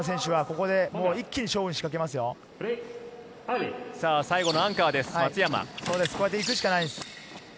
こうやっていくしかないです。